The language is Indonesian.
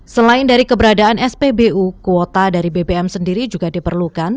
selain dari keberadaan spbu kuota dari bbm sendiri juga diperlukan